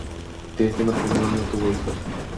De este matrimonio no tuvo hijos.